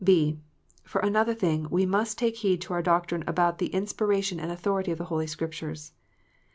(b) For another thing, we must take heed to our doctrine about the inspiration and authority of the Holy Scriptures.